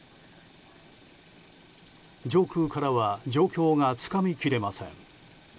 上空からは状況がつかみきれません。